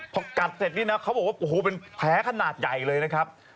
พอกัดเสร็จนี่นะเขาบอกว่าโอ้โหเป็นแผลขนาดใหญ่เลยนะครับ